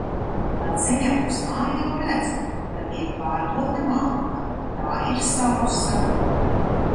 Pa ceļam uz mājām redzu, ka tiek pārdota malka – tā ir sausa.